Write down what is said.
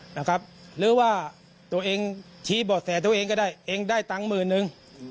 หรือว่าตัวเองชี้บ่อแสตัวเองก็ได้เองได้ตังค์หมื่นนึง